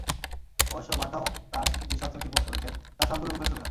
অবশ্য মারতাও তাঁর যেসব সেলফি পোস্ট করেছেন, তার সবগুলো মুখের ছবি নয়।